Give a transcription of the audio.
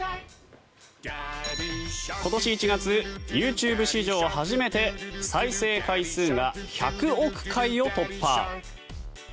今年１月ＹｏｕＴｕｂｅ史上初めて再生回数が１００億回を突破。